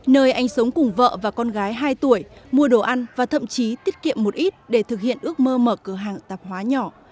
nơi anh sống cùng vợ và con gái hai tuổi mua đồ ăn và thậm chí tiết kiệm một ít để thực hiện ước mơ mở cửa hàng tạp hóa nhỏ